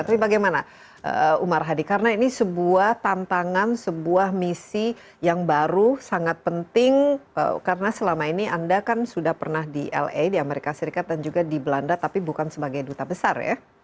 tapi bagaimana umar hadi karena ini sebuah tantangan sebuah misi yang baru sangat penting karena selama ini anda kan sudah pernah di la di amerika serikat dan juga di belanda tapi bukan sebagai duta besar ya